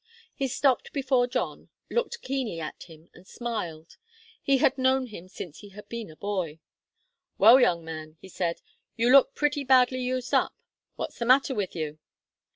He stopped before John, looked keenly at him, and smiled. He had known him since he had been a boy. "Well, young man," he said, "you look pretty badly used up. What's the matter with you?"